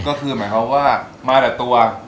ก็คือหมายความว่ามาแต่ตัว